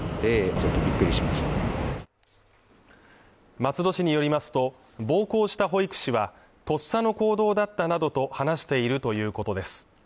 松戸市によりますと暴行した保育士はとっさの行動だったなどと話しているということです